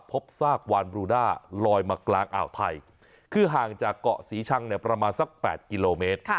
พบซากวานบรูด้าลอยมากลางอ่าวไทยคือห่างจากเกาะศรีชังเนี่ยประมาณสัก๘กิโลเมตร